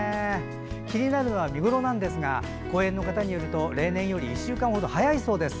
気になるのは見頃なんですが公園の方によると例年より１週間ほど早いそうです。